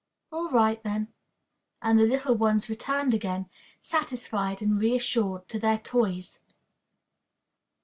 "'All right, then;' and the little ones returned again, satisfied and reassured, to their toys."